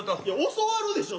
教わるでしょ